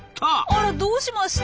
あらどうしました？